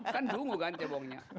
kan dungu kan cebongnya